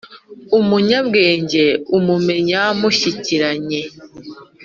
umunyabwenge umumenya mushyikiranye;